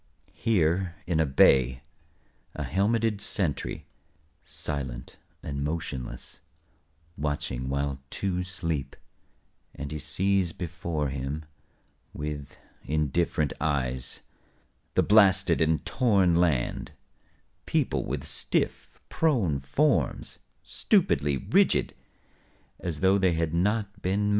Here in a bay, a helmeted sentry Silent and motionless, watching while two sleep, And he sees before him With indifferent eyes the blasted and torn land Peopled with stiff prone forms, stupidly rigid, As tho' they had not been men.